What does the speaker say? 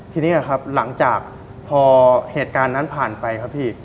ทีนี้ครับหลังจากพอเหตุการณ์นั้นผ่านไปครับพี่